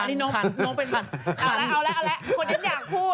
เอาแล้วคนอื่นอยากพูด